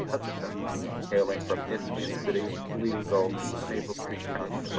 Hutcheson, hailing from Isthmian City, Bleeding Gulch, Maple Tree County, Neb.